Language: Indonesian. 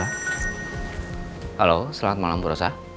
halo selamat malam burosa